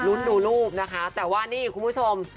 ดูรูปนะคะแต่ว่านี่คุณผู้ชม